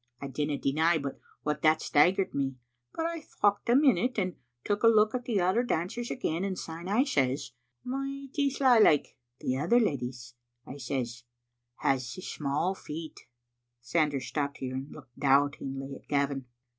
I dinna deny but what that staggered me, but I thocht a minute, and took a look at the other dancers again, and syne I says, michty sly like, *The other leddies,' I says, *has sic sma' feet.'" Sanders stopped here and looked doubtingly at Gavin.